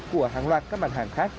của hàng loạt các mặt hàng khác